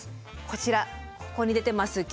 こちらここに出てます